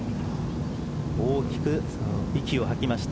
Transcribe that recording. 大きく息を吐きました。